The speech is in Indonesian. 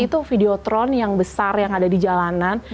itu videotron yang besar yang ada di jalanan